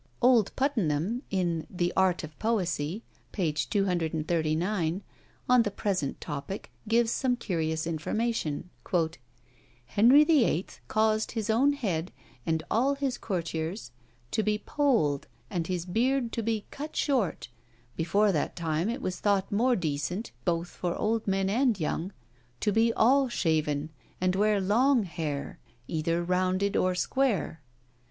Old Puttenham, in "The Art of Poesie," p. 239, on the present topic gives some curious information. "Henry VIII. caused his own head, and all his courtiers, to be polled and his beard to be cut short; before that time it was thought more decent, both for old men and young, to be all shaven, and weare long haire, either rounded or square.